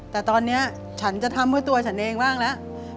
แต่ตอนนี้ฉันจะทำเพื่อตัวฉันเองบ้างแล้ว